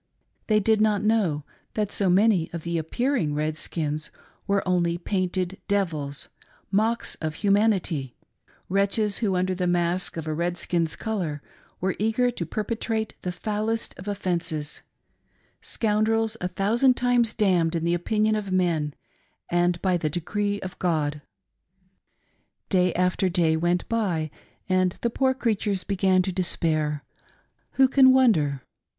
They did not know that so many of the appearing red skins were only painted devils, mocks of humanity, wretches who under the mask of a red skin's color were eager to perpetrate the foulest of offences — scoundrels a thousand times damned in the opinion of men and by the decree of God. Day after day went by, and the poor creatures began to despair — who can wonder?